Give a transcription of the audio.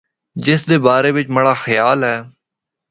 جس دے بارے بچ مڑا خیال ہے۔